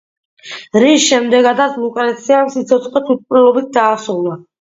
რის შემდეგაც ლუკრეციამ სიცოცხლე თვითმკვლელობით დაასრულა.